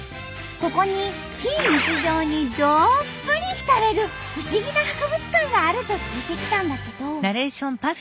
ここに非日常にどっぷり浸れる不思議な博物館があると聞いて来たんだけど。